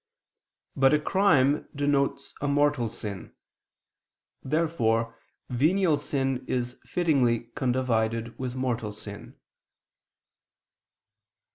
But a crime denotes a mortal sin. Therefore venial sin is fittingly condivided with mortal sin.